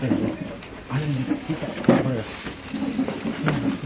เฮ้ยมันยกหมูไหวหรอพี่